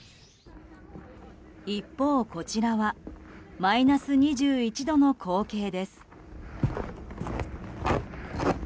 一方、こちらはマイナス２１度の光景です。